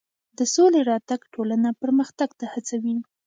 د سولې راتګ ټولنه پرمختګ ته هڅوي.